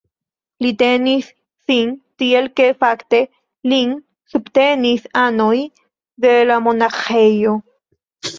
Li tenis sin tiel ke fakte lin subtenis anoj de la monaĥejo.